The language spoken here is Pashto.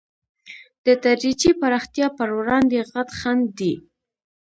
د تدریجي پراختیا پر وړاندې غټ خنډ دی.